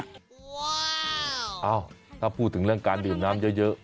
เอ้าถ้าพูดถึงเรื่องการดื่มน้ำเยอะ